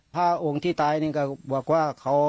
พ่อองค์ที่ตายเนี่ยก็บอกว่า